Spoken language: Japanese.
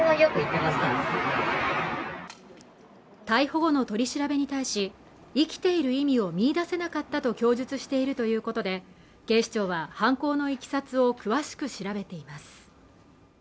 逮捕後の取り調べに対し生きている意味を見いだせなかったと供述しているということで警視庁は犯行の経緯を詳しく調べています